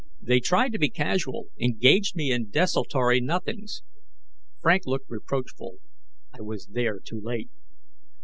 They tried to be casual, engaged me in desultory nothings. Frank looked reproachful I was there too late.